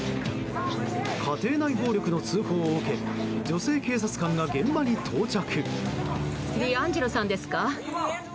家庭内暴力の通報を受け女性警察官が現場に到着。